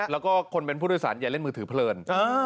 แล้วก็คนเป็นผู้โดยสารอย่าเล่นมือถือเพลิน